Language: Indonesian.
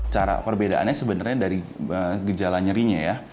cara perbedaannya sebenarnya dari gejala nyerinya ya